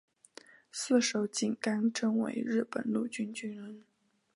四手井纲正为日本陆军军人。